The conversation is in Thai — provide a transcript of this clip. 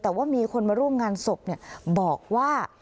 แต่ว่ามีคนมาร่วมงานศพบอกว่า